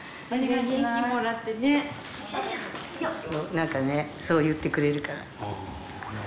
何かねそう言ってくれるから。